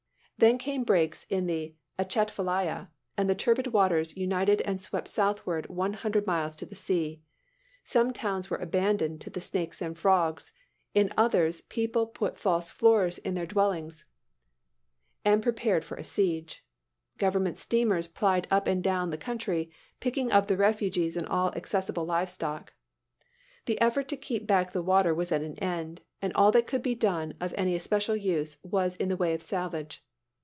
Then came breaks in the Atchafalaya, and the turbid waters united and swept southward one hundred miles to the sea. Some towns were abandoned to the snakes and frogs; in others the people put false floors in their dwellings and prepared [Illustration: PICKING UP REFUGEES.] for a siege. Government steamers plied up and down the country, picking up the refugees and all accessible livestock. The effort to keep back the water was at an end, and all that could be done of any especial use was in the way of salvage.